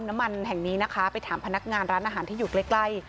น้ำมันแห่งนี้นะคะไปถามพนักงานร้านอาหารที่อยู่ใกล้ใกล้